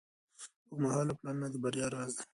اوږدمهاله پلانونه د بریا راز دی.